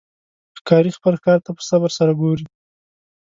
ښکاري خپل ښکار ته په صبر سره ګوري.